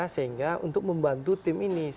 sehingga untuk membantu tim ini